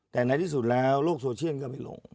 แต่ในที่สุดแล้วโลกโซเชียลก็ไม่ลง